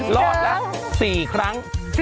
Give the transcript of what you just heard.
รอดแล้วว่าดามรอดละค่ะ